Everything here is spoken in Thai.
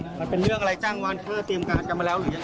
ดูแลงง้ายพี่สาวคงเอาใจอย่างง่าย